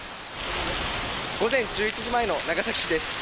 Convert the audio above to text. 午前１１時前の長崎市です。